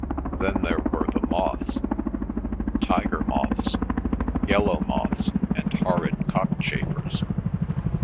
Then there were the moths—tiger moths, yellow moths, and horrid cockchafers.